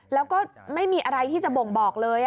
แล้วก็ไม่มีอะไรที่จะบ่งบอกเลย